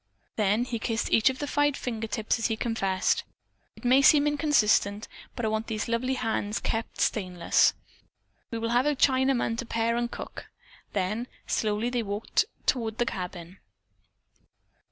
Then he kissed each of the five finger tips as he confessed, "It may seem inconsistent, but I want these lovely hands kept stainless. We will have a Chinaman to pare and cook." Then slowly they walked toward the cabin.